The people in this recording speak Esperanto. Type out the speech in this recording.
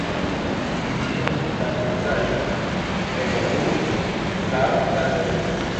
Ĝis nun la pejzaĝo evoluis laŭ la teorio.